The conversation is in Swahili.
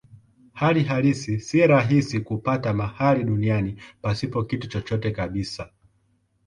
Hali halisi si rahisi kupata mahali duniani pasipo kitu chochote kabisa.